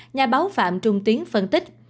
nhà báo phạm trung tiến phân tích